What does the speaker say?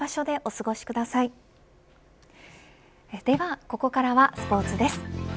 ではここからはスポーツです。